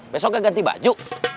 besoknya ganti baju